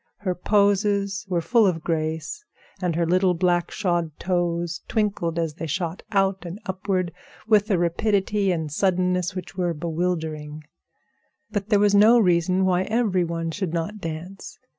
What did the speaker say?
Her poses were full of grace, and her little black shod toes twinkled as they shot out and upward with a rapidity and suddenness which were bewildering. But there was no reason why every one should not dance.